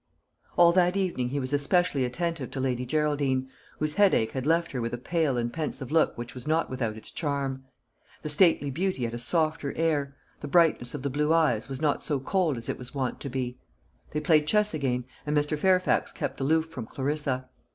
All that evening he was especially attentive to Lady Geraldine, whose headache had left her with a pale and pensive look which was not without its charm. The stately beauty had a softer air, the brightness of the blue eyes was not so cold as it was wont to be. They played chess again, and Mr. Fairfax kept aloof from Clarissa.